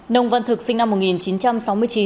nông văn thực sinh năm một nghìn chín trăm sáu mươi chín